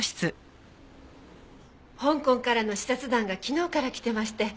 香港からの視察団が昨日から来てまして。